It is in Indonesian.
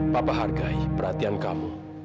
papa hargai perhatian kamu